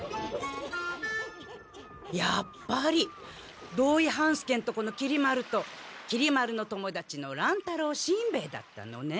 やっぱり土井半助んとこのきり丸ときり丸のともだちの乱太郎しんべヱだったのね。